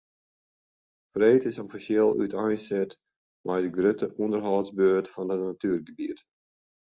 Freed is offisjeel úteinset mei de grutte ûnderhâldsbeurt fan it natuergebiet.